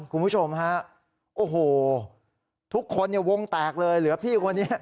คุณผู้ชมฮะโอ้โหทุกคนเนี่ยวงแตกเลยเหลือพี่คนนี้